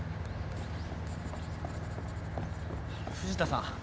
藤田さん。